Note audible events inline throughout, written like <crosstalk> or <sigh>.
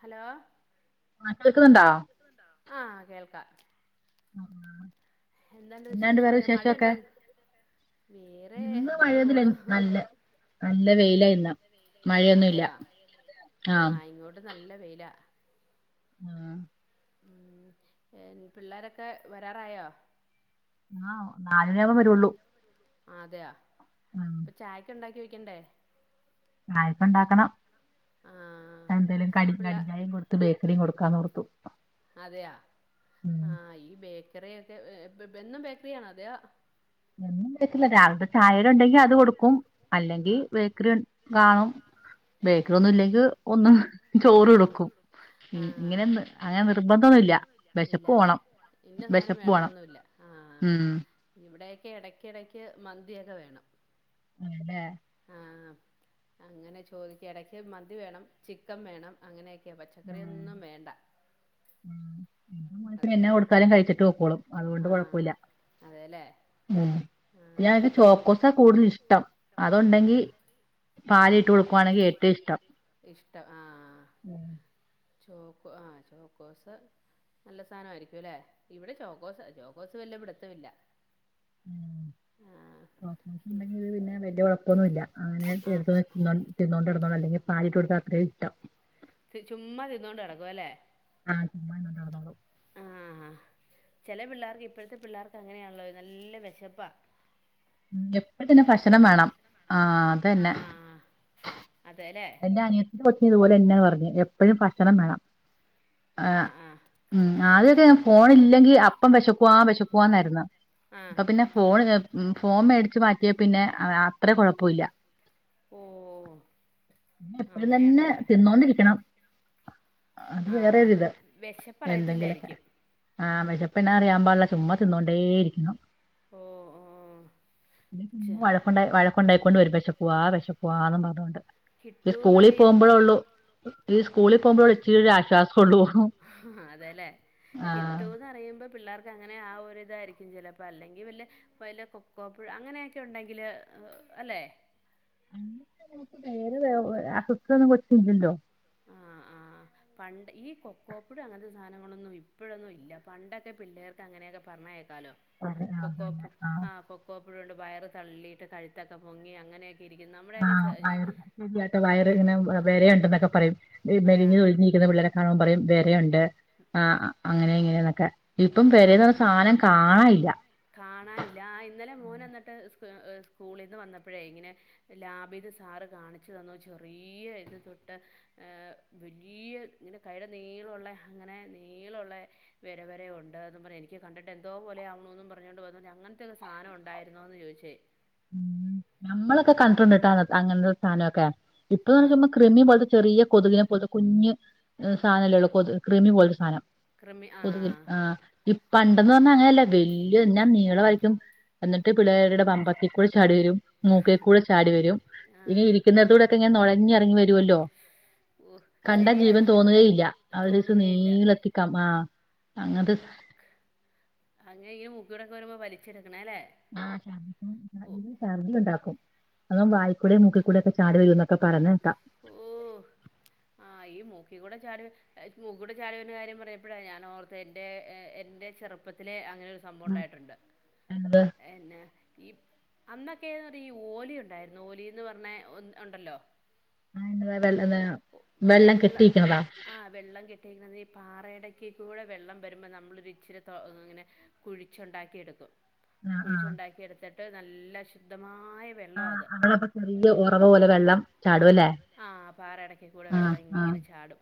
Hello ആഹ് കേക്കുന്നുണ്ടോ ആഹ് കേൾക്കാം ആ അ എന്തോണ്ട് വിഷേശോക്കെ മഴയൊണ്ടോ വേറെ ഇന്ന് ങ്ങനെ മഴയൊന്നുല്ല പോണു വിടെ നല്ല നല്ല വെയിലാ ഇന്ന് വെയിലാരുന്നു മഴയൊന്നുല്ല അതെയാ ആ ആഹ് ഇങ്ങോട്ട് നല്ല വെയിലാ ആഹ് ഉം ഏൻ പിള്ളാരക്കെ വരാറായോ? ആഹ് നാലരയാവുമ്പം വരുള്ളൂ ആതെയാ ഉം പ്പ ചായക്കെണ്ടാക്കി വെ ക്കണ്ടേ അയിപ്പണ്ടാക്കണം ആ എന്തേലും കടീം പിള്ള കടിഞ്ചായേം കൊട് ത്ത് ബേക്കറീം കൊടുക്കാന്നോർത്തു അതെയാ ഉം ആഹ് ഈ ബേക്കറിയക്കെ എ എ ബെന്നും ബേക്കറിയാണാ അതെയാ എന്നും ബേക്കില്ല രാവിൽത്തെ ചായേടെ ഉണ്ടെങ്കി അത് കൊടുക്കും അല്ലെങ്കി ആ ബേക്കറി കാണും ബേക്കറി ഒന്നും ഇല്ലെങ്കി ഒന്ന് ചോറ് കൊടുക്കും ഇങ്ങനെന്ന് അങ്ങനെ നിർബന്ധോന്നു ബന്ധോന്നൂല്ല ഇല്ല അല്ലെ ഇന്ന സാധനം വിശപ്പ് പോണം വേണോന്നൊന്നുല്ല ആഹ് ഉം ഇവിടേക്കെ എടക്കെടക്ക് മന്തിയക്കെ വേണം ആന്നെല്ലേ ആഹ് അങ്ങനെ ചോദിക്ക് ഇടക്ക് മന്തി വേണം ചിക്കൻ വേണം അങ്ങനെയെക്കെയ പച്ചക്കറിയൊന്നും വേണ്ട ഊ എന്റെ മോനത്രെ അത് എന്നാ ആഹ് കൊടുത്താലും കഴിച്ചിട്ട് പൊക്കോളും അതുകൊണ്ട് ആഹ് കൊഴപ്പ അതെല്ലേ ഉം ആഹ് ല്ലാര്ക്കും ഇ ചോക്കോസാ കൂടുതൽ ഇഷ്ടം അതൊണ്ടെങ്കി പാലീട്ട് കൊടുക്കുവാണെങ്കിഏറ്റവും ഇഷ്ടം ഇഷ്ട്ടം ആഹ് ഉം ചോക്ക് ആഹ ചോക്കോസ് നല്ല സാനായിരിക്കും ല്ലെ ഇവടെ ചോക്കോസ് ചോക്കോസ് വല്യ പിടിത്ത ഇല്ല ചോക്കോസ് ആഹ് ഉണ്ടെങ്കി പിന്നെ വല്യ കൊഴപ്പൊന്നുല്ല അങ്ങനെ ആഹ് ചേർത്ത് തിന്നാൻ തിന്നോണ്ട് നടന്നോളും അല്ലെങ്കിൽ പാലിലിട്ടു കൊടുത്താ അത്രീം ഇഷ്ടം ചു ചുമ്മാ തിന്നോണ്ട് നടക്കും അല്ലേ ആഹ് ചുമ്മാ തിന്നോണ്ടട്ന്നോളും ആഹ് ചെല പിള്ളേർക്ക് ഇപ്പഴത്തെ പിള്ളേർക്ക് അങ്ങനെയാണല്ലോ നല്ല വെശപ്പാ ഉം എപ്പഴും തന്നെ ഭക്ഷണം വേണം ആഹ അതെന്നെ അതേലെ ഇൻ്റെ അനിയത്തിന്റെ കൊച്ച് ഇതേപോലെ ന്ന്യാ പറഞ്ഞ് എപ്പഴും ഭക്ഷണം വേണം ഏ ആഹ് ആഹ് ആഹ് ഉം ആദ്യൊക്കെയാ ഫോണില്ലെങ്കി അപ്പം വെശക്കുവാ വിശക്കുവാന്നായിരുന്നു ആഹ് ഇപ്പം പിന്നെ ഫോൺ ഫോൺ മേടിച്ചു മാറ്റിയേ പിന്നെ അത്ര കൊഴപ്പൊയില്ല ഓഹ് എപ്പഴും തന്നെ അങ്ങനെയുണ്ടല്ലേ തിന്നോണ്ടിരിക്കണം അത് വേറെ ആഹ് ഒരിത് എന്തെങ്കിലൊക്കെ വെശപ്പറിയത്തില്ലായിരിക്കും ആഹ് വെശപ്പിനെ അറിയാൻ പാടില്ല ചുമ്മ തിന്നോണ്ടേ ഇരിയ്ക്കണം ഓഹ് ഓഹ് ഉം ഉം ച്ചെ വഴ ക്കുണ്ടായി വഴക്കുണ്ടായിക്കൊണ്ട് വരും വെശക്കുവാ വെശക്കുവാന്നും പറഞ്ഞോണ്ട് കിട്ടൂന്നറിയും ഈ സ്കൂളിൽ പോകുമ്പോഴുള്ള ഇച്ചിരി ഒരു ആശ്വാസമുള്ളൂ ആഹ് അതേലെ ആ കിട്ടൂന്ന് അറിയുമ്പം പിള്ളേർക്ക് അങ്ങനെ ആഹ് ഒര് ഇതായിരിക്കും ചെലപ്പം അല്ലെങ്കി വല്ല വല്ല കൊക്കോ പുഴു അങ്ങനെയൊക്കെ ഉണ്ടെങ്കില് അല്ലെ അയ്ന് ചെലോൽക് വേറെ <unintelligible> ഒന്നും പറ്റൂലല്ലൊ ആഹ് ആഹ് പണ്ട് ഈ കൊക്കോപുഴു അങ്ങനത്തെ സാധനങ്ങളൊന്നും ഇപ്പഴൊന്നും ഇല്ല പണ്ടൊക്കെ പിള്ളേർ ക്ക അങ്ങനൊയൊക്കെ പറഞ്ഞേ കേക്കാലോ ആ ആ, തന്നെ. കൊക്കോപുഴു ആ. ആഹ് കൊ കോ പുഴുണ്ട് വയറ് തള്ളീട്ട് കഴുത്തൊക്കെ പൊങ്ങി അങ്ങനെ ആഹ് വയറ് ശരിയട്ടോ വയറ് ഇങ്ങനെ വെരെയുണ്ട് ന്നൊക്കെ പറയും ഏഹ് മെലിഞ്ഞത് ഒഴിഞ്ഞി രിക്കുന്ന പിള്ളേരെ കാണുമ്പം പറയും വരയുംണ്ട് ആഹ് അങ്ങനെ ഇങ്ങനെന്നൊക്കെ ഇപ്പം വെരെന്ന് ആഹ് പറഞ്ഞ സാനം കാണ്ല്ലാ കാണാനില്ല ആഹ് ഇന്നലെ മോന് എന്നിട്ട് സ് സ്കൂളിന്ന് വന്നപ്പഴേ ഇങ്ങനെ ലാബീത്തെ സാറ് കാണിച്ചു തന്നു ചെറിയ ഇത് തൊട്ട് ഏഹ് വലിയ ഇങ്ങനെ കയ്യ്ടെ നീളുള്ള ഇങ്ങനെ നീളൊള്ളെ വെര വെര യു ണ്ടോന്നും പറഞ്ഞ് എനിക്ക് അത് കണ്ടിട്ട് എന്തോ പോലെ ആവുന്നൂന്നും പറഞ്ഞോണ്ട് വന്ന് അങ്ങനത്തെക്കെ സാധം ഉണ്ടായിന്നോന്ന് ചോയ്ച്ച് ഉം നമ്മളൊക്കെ കണ്ടിട്ടുണ്ട്ട്ടാ അങ്ങ അങ്ങൻത്തെ സാനോക്കെ ആ ഇപ്പഴൊന്ന് ചുമ്മാ കൃമിയെ പോലത്തെ ചെറിയ കൊതുകിനെ പോലത്തെ കുഞ്ഞ് സാനല്ലേ ഒള്ളു കൊതുക് കൃമി പോലത്തെ സാനം ക്രിമി ആ കൊതുക് ആഹ് ഇ പണ്ടെന്ന് പറഞ്ഞ അങ്ങനെയല്ല വല്ല്യ എന്നാ നീളമായിരിക്കും എന്നിട്ട് പിള്ളേരുടെ പമ്പസീ ക്കൂടെ ചാടി വരും മൂക്കീ കൂടെ ചാടി വരും ആ ഇങ്ങനെ ഇരിക്കുന്നടത്ത്കൂടെങ്ങനെ നൊഴഞ്ഞിറങ്ങി വര്യൊല്ലോ ഓ കണ്ടാ ശരിയാ ജീവൻ തോന്ന്കേയില്ല ആഹ് ഒരീസം തോന്നുകയില്ല നീളെത്തി കം ആഹ് അങ്ങൻത്തെ സ് അങ്ങനെ ഈ മൂക്കിക്കൂടെ ഒക്കെ വരുമ്പം വലിച്ചെടുക്ക്ണെ അല്ലേ ആഹ് ഛർദിയും ഓ അതികും ഇണ്ടാക്കും അതാവും വായി കൂടിം മൂക്കിക്കൂടിം ഒക്കെ ചാടി വരും എന്നൊക്കെ പറയുന്നെ കേക്കാ ഓഹ് ആഹ് ഈ മൂക്കി കൂടെ ചാടി വ ഏഹ് പൂക്കൂടെ ചാടി വര്ണ കാര്യം പറഞ്ഞപ്പഴാ ഞാൻ ഓർത്തെ എന്റെ ഏഹ് എന്റെ ചെറുപ്പത്തില് അങ്ങനെ സം സംഭവം ഉണ്ടായിട്ടുണ്ട് എന്നത് എന്നെ ഈ അന്നൊക്കെയെ ടീ ഈ ഓലി ഉണ്ടായിരുന്നു ഓലിന്ന് പറഞ്ഞെ ഒ ഉണ്ടല്ലോ ആഹ് ന്ന് വേറെല്ലല്ലോ വെള്ള ആഹ് വെള്ളം കെ ട്ടീന്ന് ഈ പാറയിടയ്ക്ക് കൂടെ വെള്ളം വരുമ്പോൾ നമ്മളൊരു ഇച്ചിരി ത ഇങ്ങനെ കുഴിച്ചുണ്ടാക്കി എടുക്കും ആ ആ കുഴിച്ചുണ്ടാക്കി എടുത്തിട്ട് നല്ല ശുദ്ധമായ വെള്ളമാണ് ആഹ് അത് ആഹ് അവളപ്പ ചെറിയ ഉറവ് പോലെ വെള്ളം ചാടുവല്ലേ ആഹ് പാറടക്ക കൂടെ ആ വെള്ളം ആ ഇങ്ങനെ ചാടും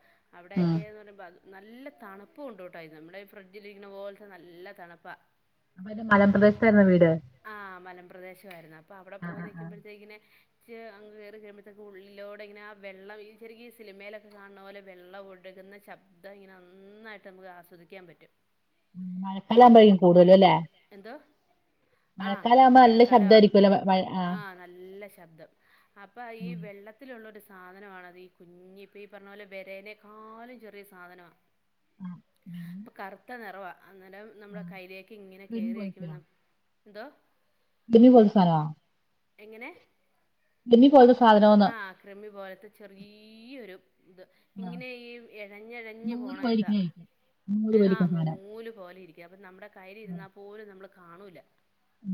ഉം അവിടെയ്ക്കെന്ന് പറയുമ്പോ അത് നല്ല തണുപ്പും ഉണ്ട്ട്ടോ അയ്‌ന് നമ്മുടെ ഈ ഫ്രിഡ്ജിലിരിക്ക്ണ പോലത്തെ നല്ല തണുപ്പാ അപ്പൊ അന്റെ മലംപ്രദേശത്തായിരുന്നൊ വീട് ആഹ് മലംപ്രദേശ ആയിരുന്നു അപ്പൊ അവിടെ ആ പോയി ആ ആ നിൽക്കുമ്പഴത്തേക്കിന് ച്ചേ അങ്ങ് കയറി കഴിയുമ്പോഴത്തേക്ക് ഉള്ളി എോട ഇങ്ങനെ ആ വെള്ളം ഈ ചെറിയ സിനിമയിലൊക്കെ കാണുന്ന പോലെ വെള്ളം ഒഴുകുന്ന ശബ് ഇതങ്ങനെ നന്നായിട്ട് നമുക്ക് ആസ്വദിക്കാൻ പറ്റും ആഹ് ഇന്ന് മഴകാലവുമ്പോഴും കൂടുതലും അല്ലേ എന്തോ ആഹ് മഴക്കാലം ആകുമ്പോ നല്ല മഴക്കാലം ശബ്ദമായിരിക്കുമല്ലോ മഴ ആ ആഹ് നല്ല ശബ്ദം അപ്പൊ ഈ ഉം. വെള്ള ത്തിലുള്ളൊരു സാധനമാണ്ത് ഈ കുഞ്ഞ ഇപ്പം ഈ പറഞ്ഞ പോലെ വിരേനേക്കാളും ചെറിയ സാധനമാണ് ആ അപ്പ ഇടിയും- കറുത്ത നിറവ അന്നേരം ആ നമ്മുടെ കയ്യിലേക്ക് ഇങ്ങനെ ഇടിമിന്നൽ പോലത്തെയോ കയറിയിരിക്കുമെന്ന് എന്തോ ഇടിമിന്നൽ പോലത്തെ സാധനമാ എങ്ങനെ പോലത്തെ സാധനംന്ന് ആഹ് ക്രമി പോലത്തെ ചെറിയൊരു ഇത് ആ. ഇങ്ങനെ ഈ ഇഴഞ്ഞഴഞ്ഞഞ് നൂല് പോണ ഇതാ വലിക്കണായിരിക്കും. നൂല് ആഹ വലിക്കുന്ന സാധനം. നൂല് പോലെ ഇരിക്കും അപ്പൊ നമ്മുടെ കയ്യിൽ ഉം. ഇരുന്നാൽ പോലും നമ്മള് കാണൂല ഉം.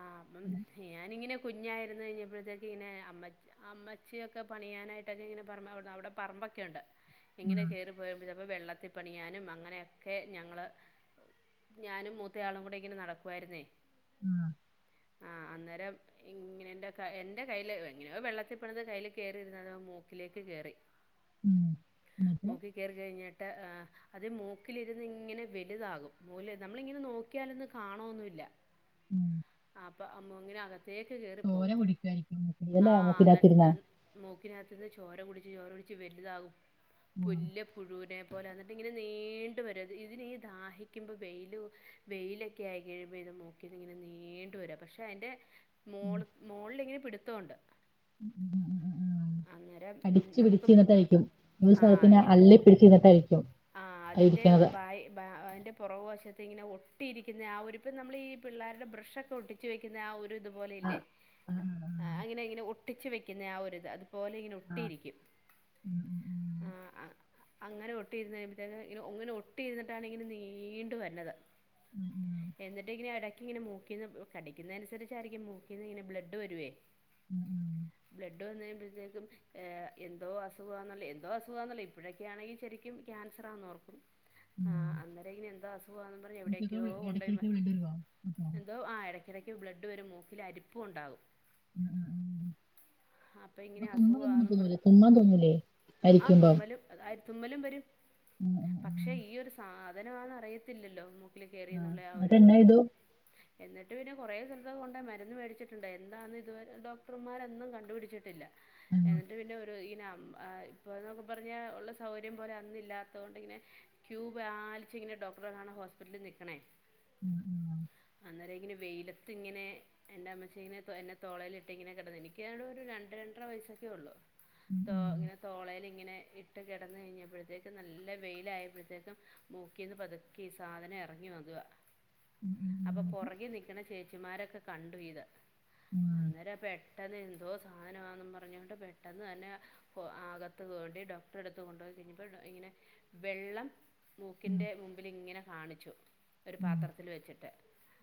ആഹ് അപ്പം ഉം. ഞാനിങ്ങനെ കുഞ്ഞായിരുന്നു കഴിഞ്ഞപ്പോഴത്തേക്ക് ഇങ്ങനെ അമ്മ അമ്മച്ചിയൊക്കെ പണിയാനായിട്ടൊക്കെ ഇങ്ങനെ പറ അവിടെ പറമ്പൊക്കെ ഉണ്ട് ഇങ്ങനെ കയറിപ്പോയ അപ്പോൾ വെള്ളത്തിൽപ്പണിയാനും അങ്ങനെയൊക്കെ ഞങ്ങള് ഞാനും മൂത്തയാളും കൂടെ ഇങ്ങനെ നടക്കുവായിരുന്നേ ഉം ആഹ് അന്നേരം ഇങ്ങനെ എന്റെ കയ്ൽ ഇങ്ങന വെള്ളത്തിൽപ്പണ കയ്യിൽ കേറിരുന്നതും മൂക്കിലേക്ക് കെറി ഉം. എന്നിട്ട് കയറി കഴിഞ്ഞിട്ട് ആഹ് അത് മൂക്കിലിരുന്ന് ഇങ്ങനെ വലുതാകും മൂല് നമ്മളിങ്ങനെ നോക്കിയാലൊന്ന് കാണോന്നുല്ല ഉം. പ്പൊ മൂക്കിനകത്തേക്ക് കേയറിപ്പോവും <unintelligible> ആഹ് മൂക്കിനകത്തിരുന്ന്. നട്ടാൻ മൂക്കിനകത്തു നിന്ന് ചോര കുടിച്ച് ചോര കുടിച്ച് വലുതാകും ഉം. പുല് പുഴുവിനെ അതുപോലെ എന്നിട്ട് ഇങ്ങനെ നീണ്ടു വരു അത് ഇതിനീഈ ദാഹിക്കുമ്പോൾ വെൽ വെയിലൊക്കെ ആയി കഴിയുമ്പോൾ ഇത് മോക്കും ഇങ്ങനെ നീണ്ടുവരിക പക്ഷേ അതിൻ്റെ മോ ഉം. മുകളിലിങ്ങനെ പിടുത്തമുണ്ട് ഉം ഉം അന്നേരം അടിച്ചു നമുക്ക് പിടിച്ച് ഇന്നിട്ട കഴിക്കും ഒരു ആഹ് സത്തിന് ഇങ്ങനെ അല്ലേ പിടിച്ചു ഇന്നിട്ട് കഴിക്കും ആഹ് അതിന്റെ അതിന്റെ പുറവ് വശത്ത് ഇങ്ങനെ ഒട്ടിയിരിക്കുന്ന ആ ഒരുരിപ്പം നമ്മൾ ഈ പിള്ളേരുടെ ബ്രഷ് ഒക്കെ ഒട്ടി ച്ചു വെക്കുന്ന ആഹ് ഒരു ഇതു ആ. പോലെയില്ലേ ആ. ആ. അങ്ങനെ ഇങ്ങനെ ഒട്ടിച്ചു വെക്കുന്ന ആഹ് ഒരു ഇത് പോലെ ഇങ്ങനെ ആ. ആ. ഒട്ടിയിരിക്കും ഉം. ഉം. അങ്ങനെ ഒട്ടി ഇരന്ന്മ്പത്തേ ഒങ്ങനെ ഒട്ടി ഇരുന്നിട്ടാണ് ഇങ്ങനെ നീണ്ട വരന്നത് ഉം. ഉം. ഉം. എന്നിട്ട ഇങ്ങനെ ഇടക്ക് ഇങ്ങനെ മോക്കിന്ന് കടിക്കുന്നതനുസരിച്ചായിരിക്കും മൂക്കിന്ന് ഇങ്ങനെ ബ്ലഡ് വരുവേ ഉം ഉം ബ്ലഡ് വന്ന് കഴുമ്പോഴത്തേക്കും ഏ എന്തോ അസുഖാന്നല്ല എന്തോ അസുഖാന്നല്ല ഇപ്പോഴൊക്കൊണെങ്കിൽ ശരിക്കും ക്യാൻസറാന്ന് ഓർക്കും ഉം. ആഹ് അന്നെരം അയിന് എന്തോ അസുഖാന്ന് പറഞ്ഞ് മൂക്കിക്ക് എവിടേക്കെയോ കൊണ്ടോയിര്ന്ന് ഇടയ്ക്കിടയ്ക്ക് ബ്ലഡ് വരുവോ? അപ്പൊ ഉം. എന്തൊ ആഹ് ഇടയ്ക്ക് ബ്ലഡ് വരും മൂക്കില് അരിപ്പും ഉണ്ടാകും ഉം അപ്പോൾ അപ്പം ഇങ്ങനെ തുമ്മലൊന്നും അസുഖമാണെന്നും മൂക്ക്ന്ന് പറഞ്ഞ് വര്ലേ തുമ്മാൻ തോന്നൂലെ അരിക്കുമ്പം ആഹ് തുമ്മലും വരും ഉം ഉം ഉം ക്ഷെ ഈ ഒരു സാധനമാന്ന് അറിയത്തില്ലല്ലോ മൂക്കില് കേറീന്നുള്ള ആ അതെന്നാ ഒര്തൊന്നും ചെയ്തു? എന്നിട്ട് പിന്നെ കുറേ സ്ഥലത്ത് കൊണ്ട് മരുന്ന് മേടിച്ചിട്ടുണ്ട് എന്താന്ന് ഇതുവരെ ഡോ ക്ടർമാരൊന്നും കണ്ടുപിടിച്ചിട്ടില്ല ഉം ഇന്നട്ട് പിന്നെ ഒരു ഇന ഇപ്പനോക്കു പറഞ്ഞ ഉള്ള സൗകര്യം പോലെ അന്ന്ല്ലാത്തോണ്ട്ങ്ങനെ ക്യൂപാലിച്ച് ഇങ്ങനെ ഡോക്ടറെ കാണാ ഹോസ്പിറ്റല് നിക്കണേ ഉം ഉം ഉം അന്നേരം ഇങ്ങനെ വെയിലത്ത് ഇങ്ങനെ എന്റമ്മച്ചി ഇങ്ങനെ എന്നെ തോളേല് ട്ട്ങ്ങിനെ കെടന്ന് എനിക്കാണൊരു രണ്ട് രണ്ടര വയസ്സക്കെ ഒള്ളു ഉം തോ ഉം ഇങ്ങനെ തോളേല്ങ്ങനെ ഇ ട്ട് കെടന്ന് കഴിഞ്ഞപ്പഴത്തേക്കും നല്ല വെയിലായപ്പഴത്തേക്കും മൂക്കിന്ന് പതുക്കെ ഈ സാധനം എറങ്ങി വതുവ ഉം അപ്പൊ ഉം പൊറകി നിക്ക്ണ ചേച്ചിമാരൊക്കെ കണ്ടു ഇത് അന്നേരം ട്ടെന്ന് എന്തോ സാനവാന്നും പറഞ്ഞൊണ്ട് പെട്ടെന്ന് തന്നെ അകത്ത് കൂട്ടി ഡോക്ട്റെ എടുത്ത് കൊണ്ടോയി കഴിഞ്ഞ്പ്പോ ഇങ്ങനെ വെള്ളം ഉം മൂക്കിന്റെ മുമ്പിലിങ്ങനെ കാണിച്ചു ഒരു പാത്രത്തില് വെച്ചിട്ട്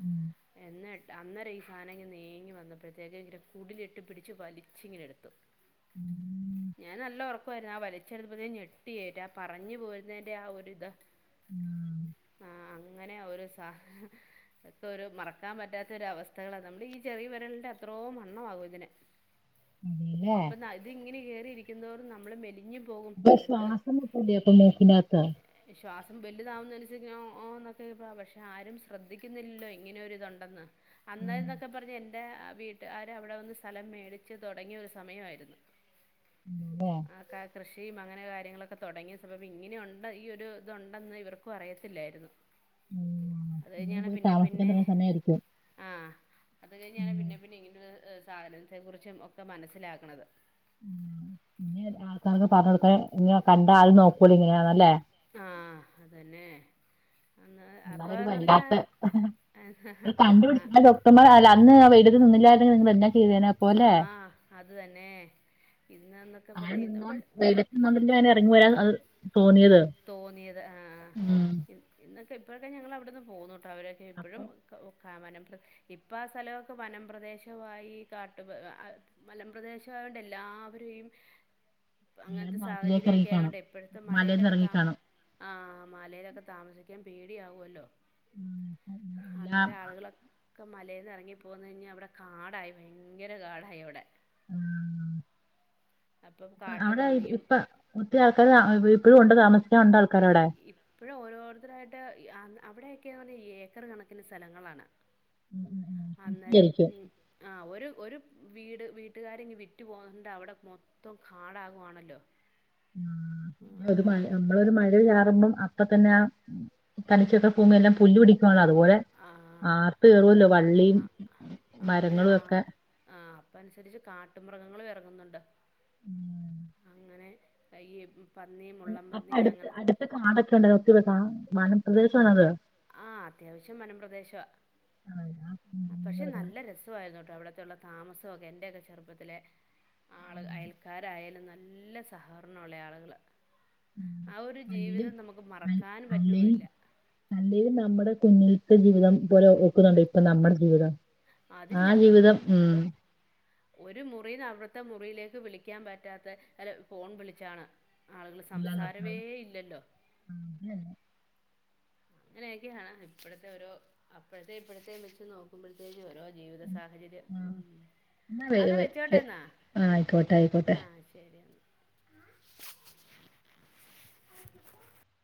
ഉം എന്നിട്ട അന്നെരം ഈ സാനങ്ങ് നീങ്ങി വന്നപ്പഴത്തേക്ക്ങ്കില് കുടിലിട്ടു പിടിച്ച് വലിച്ചിങ്ങനെടുത്തു ഉം ഞാൻ നല്ല ഒറക്കൊയിരുന്നു ആ വലിച്ചെടുപ്പത്തെന് ഞെട്ടിഏറ്റ ആ പറഞ്ഞ് പോര്ണേന്റെ ആ ഒരിതാ ഉം. ആഹ അങ്ങനെ ഒരു സ തഹ അക്കോരൊ മറക്കാം പറ്റാത്ത ഒരു അവസ്ഥകളാ നമ്മുടെ ഈ ചെറീ വെരള്ന്റെ അത്രോം മാ മ്മ <inaudible> അതേല്ലേ. ഇപ്പന്ന ഇത്ങ്ങനെ കേറിയിരിക്കും തോറും നമ്മള് മെലിഞ്ഞ് പ്പൊ ശ്വാസംമുട്ടൂലേ മൂക്കിനകത്ത് ശ്വാസം വലുതാവുന്നനസരി <unintelligible> പക്ഷെ ആരും ശ്രദ്ധിക്കുന്നില്ലല്ലോ ഇങ്ങനൊരുത്ണ്ടെന്ന് ഉം അന്നേരംന്നൊക്കെ പറഞ്ഞാ എന്റെ വീട്ട് കാര് അവിടെ വന്ന് സ്ഥലം മേടിച്ച് തൊടങ്ങിയൊരു സമയവായിരുന്ന് അതെ. ആഹ കാല കൃഷിം അങ്ങനെ കാര്യങ്ങളൊക്കെ തുടങ്ങിയ സമയം ഇങ്ങനെയുണ്ട് ഈ ഒരു ഇതുണ്ടെന്ന് ഇവർക്കും അറിയത്തില്ലായിരുന്നു ഉം അത് നീ കഴിഞ്ഞാണ് പോയി പിന്നെ താമസിക്കാൻ പിന്നെ തുടങ്ങിയ സമയായിരിക്കും. ആഹ അത് കഴിഞ്ഞാണ് ഉം പിന്നെ പിന്നെ ഇങ്ങനൊ സാധനത്തെ കുറിച്ചും ഒക്കെ മനസ്സിലാക്ക്ണത് ഉം. ഇനി ആൾക്കാർക്ക് പറഞ്ഞ് കൊടുത്താല് ഇങ്ങ കണ്ടാ അത് നോക്കുല്ലൊ ഇങ്ങനെയാന്ന് അല്ലേ ആഹ് അതന്നെ അന്ന അപ്പന്ന് പറഞ്ഞാ അത്കണ്ടുപിടി ഡോക്ട്മാർ അല്ല അന്ന് ആ വെയിലത്തു നിന്നില്ലായിരെങ്കിൽ നിങ്ങൾ എന്നാ ചെയ്തേനെ അപ്പോലെ ആഹ അത് തന്നെ ഇന്ന്ന്നൊക്കെ അങ്ങനെ പറഞ്കഴിഞ്ഞ്പ്പൾ നിന്നോണ്ട് <unintelligible> ഇറങ്ങി വരാൻ അത് തോന്നിയത് തോന്നിയത് ആഹ ഉം ഇന്നൊക്കെ ഇപ്പോഴൊക്കെ ഞങ്ങളവിട്ന്ന് പോന്നുട്ടോ അവരൊക്കെ അപ്പൊ ഇപ്പഴും ക ഉ ക വനം പ്രദേ ഇപ്പം ആഹ സ്ഥലൊക്കെ വനംപ്രദേശവായി കാട്ടു മലംപ്രദേശ ആയോണ്ട് എല്ലാവരെയും അങ്ങൻത്തെ എല്ലാരും നാട്ടിലേക്ക് സാഹചര്യയൊക്കെ ഇറങ്ങിക്കാണും ആയോണ്ടെ ഇപ്പഴത്തെ മലേലൊ മലയിൽന്ന് ഇറങ്ങിക്കാണും ആഹ മലേലൊക്കെ താമസിക്കാം പേടിയാവുല്ലോ ഉം അപ്പൊ എല്ലാം അന്നേരം ആളുകളൊ ക്കെ മലേന്ന് എറങ്ങിപ്പോന്ന്യ്ഞ്ഞവിടെ കാടായി ഭയങ്കര കാടായി അവ്ടെ ഉം അപ്പം അവിടെ കാട്ടുപന്നിയും ഇപ്പ ഒത്തിരി ആൾക്കാര് ഇപ്പഴും ഉണ്ട് താമസിക്കാണ്ട ആൾക്കാരവിടെ ഇപ്പഴോ ഓരോരുത്തരായിട്ട് അന്ന് അവിടെയൊക്കെയന്ന് പറഞ്ഞാ ഏക്കർ കണക്കിന് സെലങ്ങളാണ് അന്നേരം ആയിരിക്കും ഉം ആഹ് ഒരു ഒരു വീട് വീട്ടുകാര ഇങ്ങ് വിറ്റു പോന്നണ്ട് അവിടെ മൊ ത്തം കാടാകുവാണല്ലോ. ഉം, ആ അത് മഴ അന്ന് നമ്മളൊ ഒരു മഴ ചാറുമ്പോം അപ്പ തന്നെ ആ തനിച്ചിത ഭൂമിയെല്ലാം പുല്ല് പിടിക്കുകണല്ലോ. അതുപോലെ ആ ആർത്ത് കേറുവല്ലോ വള്ളിയും മരങ്ങളും ഒക്കെ ആഹ അപ്പ അനുസരിച്ച് കാട്ടുമൃഗങ്ങൾ ഇറങ്ങുന്നുണ്ട്. ഉം അങ്ങനെ അയ്യേ. പന്നിയ മുള്ളം പന്നി അങ്ങനെ ഒത്തിരികാടൊക്കെ ഉണ്ട. ഒത്തിരി വനംപ്രദേശ ആണത്. ആഹ അത്യാവശ്യം വനംപ്രദേശ പക്ഷെ കൊടുക്കണം നല്ല രസമായിരുന്നു കേട്ടോഅവിടത്തെള്ള താമസമൊക്കെ എന്റെയൊക്കെ ചെറുപ്പത്തില. ആള് അയൽക്കാരായാലും നല്ല സഹകരണമുള്ള ആളുകൾ. ആഹ് ഒരു അല്ലേലും ജീവിതം നമുക്ക് മറക്കാൻ പറ്റുകല്ല. അല്ലെലും നമ്മുടെ കുഞ്ഞിലത്തെ ജീവിതം പോലെ ഒക്കുന്നുണ്ട ഇപ്പൊ നമ്മുടെ ജീവിതം. ആ അതില്ല ജീവിതം ഇപ്പം ഉം. ഒരു മുറിന്ന് അവിടുത്തെ മുറിയിലേക്ക് വിളിക്കാൻ പറ്റാത്ത അല്ല ഫോൺ വിളിച്ചാണ്. ആളുകൾ സംസാരവേ ഇല്ലല്ലോ. ഉം. അങ്ങനെയൊക്കെയാണ് ഇപ്പോഴത്തെഓരോ. അപ്പഴത്തെ ഇപ്പഴത്തേ വെച്ച് നോക്ക നക്കുമ്പോഴത്തേക്ക് ഓരോ ജീവിത സാഹചര്യം. ആ, ഉം. അന്ന വെച്ചോട്ടെ എന്നാ. ആഹ്. ആയിക്കട്ടെ ആയിക്കട്ടെ. ആഹ് ശരി എന്നാൽ